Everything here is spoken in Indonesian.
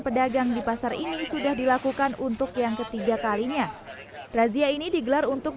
pedagang di pasar ini sudah dilakukan untuk yang ketiga kalinya razia ini digelar untuk